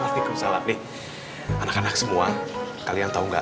walaikumsalam nih anak anak semua kalian tahu enggak